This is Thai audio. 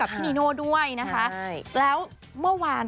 ส่งมาให้โอโนเฟอร์เรเวอร์